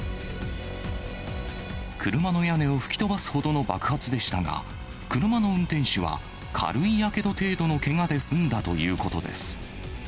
車の屋根を吹き飛ばすほどの爆発でしたが、車の運転手は、軽いやけど程度のけがで済んだということです。